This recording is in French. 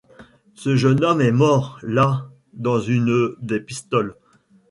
Ce jeune homme est mort, là..., dans une des pistoles...